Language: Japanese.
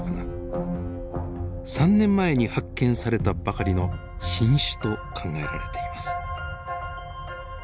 ３年前に発見されたばかりの新種と考えられています。